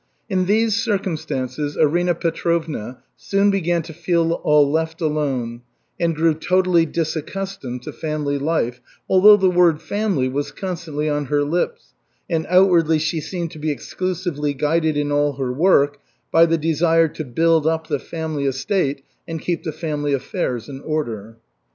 In these circumstances Arina Petrovna soon began to feel all left alone, and grew totally disaccustomed to family life, although the word "family" was constantly on her lips, and outwardly she seemed to be exclusively guided in all her work by the desire to build up the family estate and keep the family affairs in order.